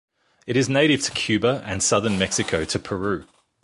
It is native to Cuba and Southern Mexico to Peru.